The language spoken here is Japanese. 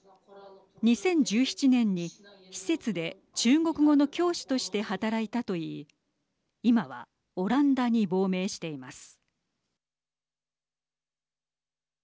２０１７年に施設で中国語の教師として働いたといい今はオランダに亡命しています。